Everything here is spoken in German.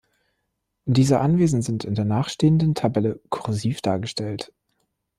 Diese Anwesen sind in der nachstehenden Tabelle "kursiv" dargestellt.